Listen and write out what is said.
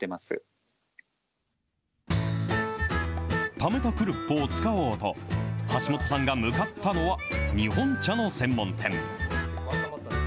ためたクルッポを使おうと、橋本さんが向かったのは、日本茶の専門店。